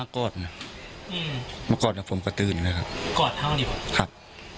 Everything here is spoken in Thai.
ครับ